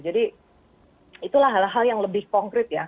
jadi itulah hal hal yang lebih konkret ya